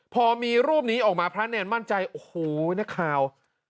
พอมีรูปนี้ออกมาพระเนรมั่นใจโอ้โหนักข่าว